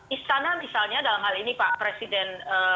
istana misalnya dalam hal ini pak presiden